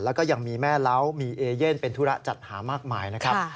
แล้วก็ยังมีแม่เล้ามีเอเย่นเป็นธุระจัดหามากมายนะครับ